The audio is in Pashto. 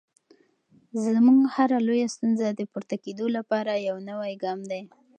زموږ هره لویه ستونزه د پورته کېدو لپاره یو نوی ګام دی.